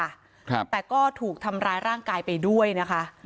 ครับแต่ก็ถูกทำร้ายร่างกายไปด้วยนะคะ